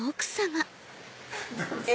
え。